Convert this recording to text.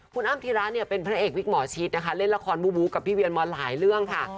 คุณอ้ำธีระเนี่ยเป็นพระเอกวิกหมอชิดนะคะเล่นละครบูบูกับพี่เวียนมาหลายเรื่องค่ะ